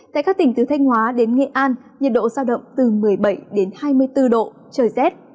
tại các tỉnh từ thanh hóa đến nghệ an nhiệt độ giao động từ một mươi bảy đến hai mươi bốn độ trời rét